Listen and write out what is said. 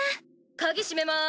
鍵締めます。